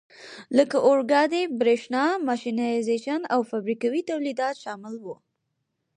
لکه اورګاډي، برېښنا، ماشینایزېشن او فابریکوي تولیدات شامل وو.